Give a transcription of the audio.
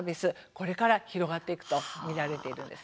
これから広がっていくと見られているんです。